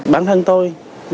bản thân tôi